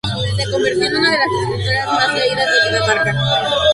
Se convirtió en una de las escritoras más leídas en Dinamarca.